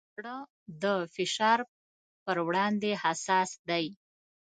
زړه د فشار پر وړاندې حساس دی.